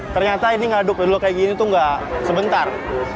ternyata ini ngaduk dulu kayak gini tuh gak sebentar